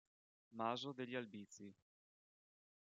Maso degli Albizi